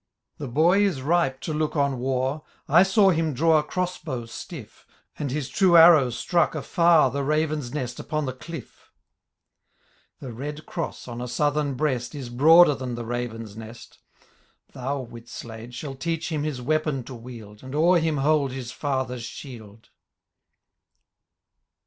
" The boy is ripe to look on war •, I saw him draw a cross bow stiff, And 1^8 true arrow struck afar The raven's nest upon the cliff; The red cross, on a southern breast, Is broader than the raven's nest : Thou, Whitslade, shall teach him his weapon to wield. And o'er him hold his father's shield."